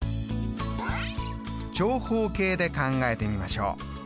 長方形で考えてみましょう。